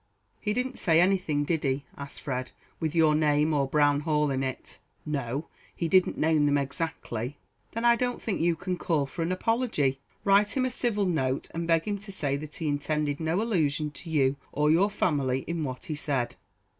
"He didn't say anything, did he," asked Fred, "with your name, or Brown Hall in it?" "No, he didn't name them exactly." "Then I don't think you can call for an apology; write him a civil note, and beg him to say that he intended no allusion to you or your family in what he said."